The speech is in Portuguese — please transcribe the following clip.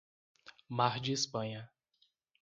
Mar de Espanha